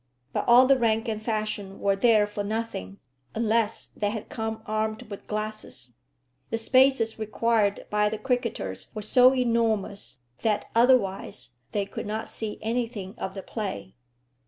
But all the rank and fashion were there for nothing, unless they had come armed with glasses. The spaces required by the cricketers were so enormous that otherwise they could not see anything of the play.